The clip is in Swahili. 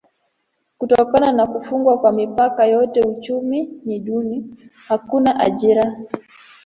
Kutokana na kufungwa kwa mipaka yote uchumi ni duni: hakuna ajira.